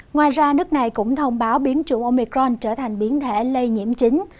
ngoài ra nước này cũng thông báo biến chủng omicron trở thành biến thể lây nhiễm chính